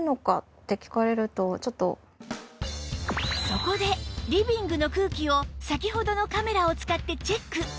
そこでリビングの空気を先ほどのカメラを使ってチェック